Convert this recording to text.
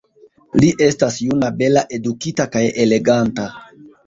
Li estas juna, bela, edukita kaj eleganta.